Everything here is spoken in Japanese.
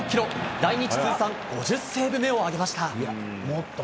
来日通算５０セーブ目を挙げました。